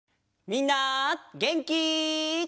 みんなげんき？